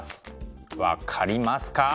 分かりますか？